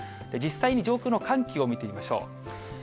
実際に上空の寒気を見てみましょう。